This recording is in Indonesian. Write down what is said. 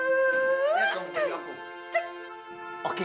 sayang liat dong baju aku